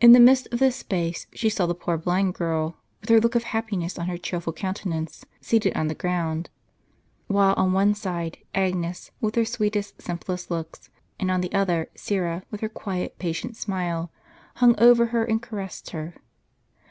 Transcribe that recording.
In the midst of this space she saw the poor blind girl, with her look of happiness on her cheerful countenance, seated on the gi ound ; Avhile on one side, Agnes, with her sweetest simple looks, and on the other, Syra, with her quiet patient smile, hung over her and caressed her.